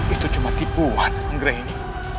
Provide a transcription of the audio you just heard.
itu cuma tipuan anggrek ini